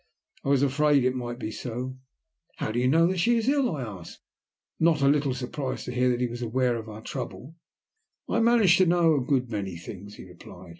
"I was afraid it might be so." "How do you know that she is ill?" I asked, not a little surprised to hear that he was aware of our trouble. "I manage to know a good many things," he replied.